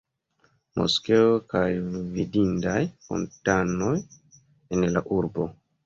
Moskeoj kaj vidindaj fontanoj en la urbo.